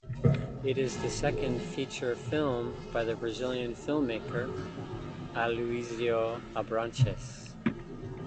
It is the second feature film by the Brazilian filmmaker Aluizio Abranches.